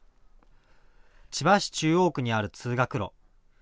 千葉市中央区にある通学路。